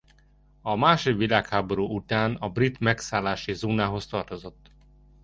A második világháború után a brit megszállási zónához tartozott.